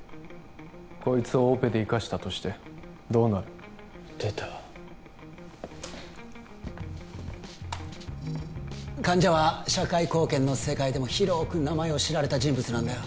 こいつをオペで生かしたとしてどうなる出た患者は社会貢献の世界でも広く名前を知られた人物なんだよ